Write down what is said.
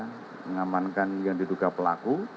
mengamankan yang diduga pelaku